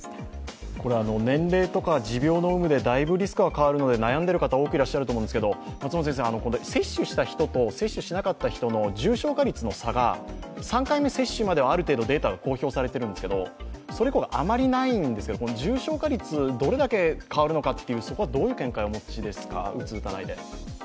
年齢とか持病の有無でだいぶリスクが変わるので悩んでいる方多くいると思うんですけど接種した人と接種しなかった人の重症化率の差が、３回目接種まで公表されていますが、それ以降があまりないんですけど、重症化率、どれだけ変わるかというのはそこはどういう見解をお持ちですか？